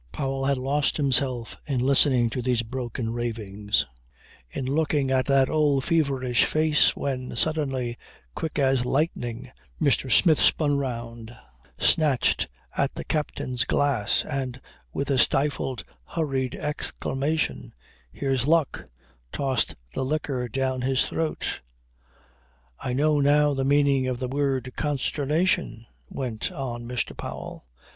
Powell had lost himself in listening to these broken ravings, in looking at that old feverish face when, suddenly, quick as lightning, Mr. Smith spun round, snatched up the captain's glass and with a stifled, hurried exclamation, "Here's luck," tossed the liquor down his throat. "I know now the meaning of the word 'Consternation,'" went on Mr. Powell.